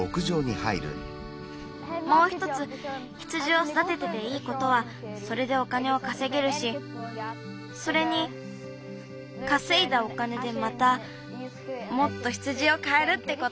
もうひとつ羊をそだててていいことはそれでお金をかせげるしそれにかせいだお金でまたもっと羊をかえるってこと！